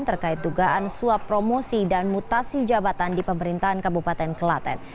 terkait dugaan suap promosi dan mutasi jabatan di pemerintahan kabupaten kelaten